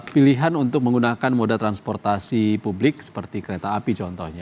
pilihan untuk menggunakan moda transportasi publik seperti kereta api contohnya